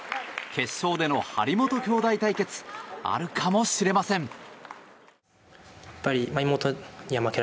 決勝での張本兄妹対決あるかもしれません。